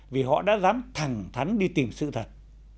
vì họ đã dám thẳng thắn đi tìm sự thật